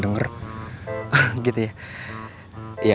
saya pamit dulu ya